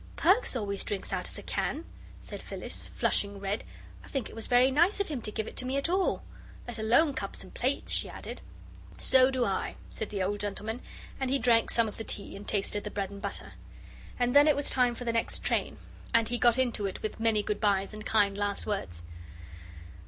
"Perks always drinks out of the can," said Phyllis, flushing red. "I think it was very nice of him to give it me at all let alone cups and plates," she added. "So do I," said the old gentleman, and he drank some of the tea and tasted the bread and butter. And then it was time for the next train, and he got into it with many good byes and kind last words.